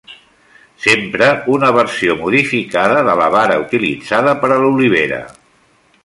S'empra una versió modificada de la vara utilitzada per a l'olivera.